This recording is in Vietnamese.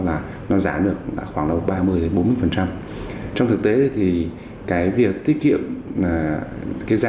là nó giảm được khoảng đầu ba mươi đến bốn mươi phần trăm trong thực tế thì cái việc tiết kiệm là cái giá